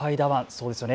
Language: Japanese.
そうですよね。